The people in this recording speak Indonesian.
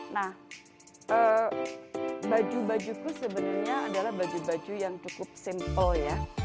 nah baju bajuku sebenarnya adalah baju baju yang cukup simple ya